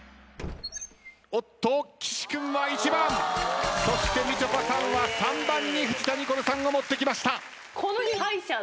おっと岸君は１番そしてみちょぱさんは３番に藤田ニコルさんを持ってきました。